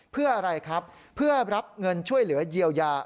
เพื่ออะไรครับเพื่อรับเงินช่วยเหลือเยียวยา